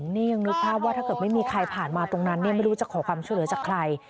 นี่ยังนึกภาพว่าถ้าเกิดไม่มีใครผ่านมาตรงนั้นไม่รู้จะขอความช่วยเหลือจากใคร